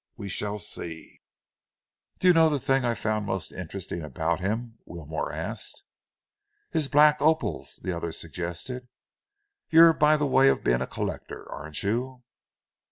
We shall see!" "Do you know the thing that I found most interesting about him?" Wilmore asked. "His black opals," the other suggested. "You're by the way of being a collector, aren't you?"